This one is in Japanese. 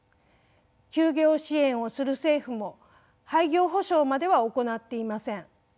休業支援をする政府も廃業補償までは行っていません。